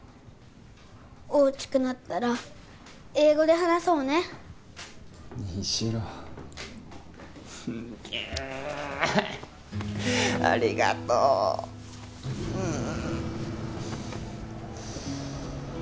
大きくなったら英語で話そうね虹朗ギューありがとーうん